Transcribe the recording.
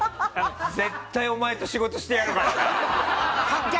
絶対にお前と仕事してやるからな。